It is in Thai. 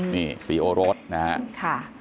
นี่สีโอรสนะฮะ